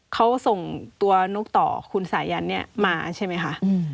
เขาส่งตัวนกต่อคุณสายันเนี่ยมาใช่ไหมคะ